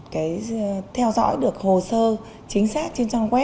cái theo dõi được hồ sơ chính xác trên trang web